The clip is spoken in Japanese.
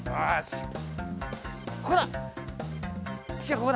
ここだ！